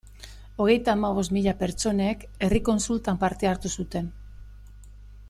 Hogeita hamabost mila pertsonek herri kontsultan parte hartu zuten.